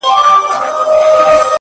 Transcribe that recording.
له دې جهانه بېل وي،